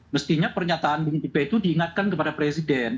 mestinya pernyataan bung pipa itu diingatkan kepada presiden